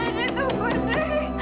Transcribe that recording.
ndre tunggu ndre